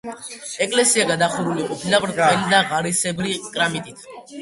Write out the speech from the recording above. ეკლესია გადახურული ყოფილა ბრტყელი და ღარისებრი კრამიტით.